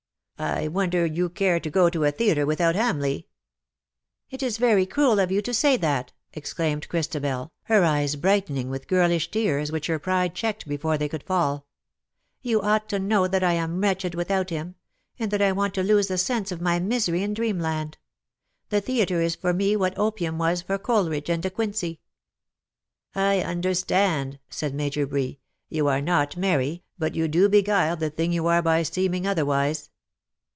" I wonder you care to go to a theatre without Hamleigh." *' It is very cruel of you to say that !" exclaimed Christ abel^ her eyes brightening with girlish tears, which her pride checked before they could fall. " You ought to know that 1 am wretched without him — and that I want to lose the sense of my misery in dreamland. The theatre for me is what opium was for Coleridge and De Uuincey." " I understand," said Major Bree ;'' 'you are not merry, but you do beguile the thing you are by seeming otherwise.